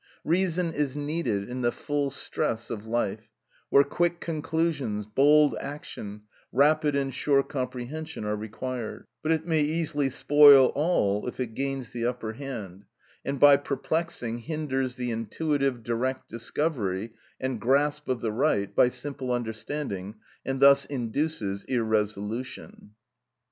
Reason is needed in the full stress of life, where quick conclusions, bold action, rapid and sure comprehension are required, but it may easily spoil all if it gains the upper hand, and by perplexing hinders the intuitive, direct discovery, and grasp of the right by simple understanding, and thus induces irresolution.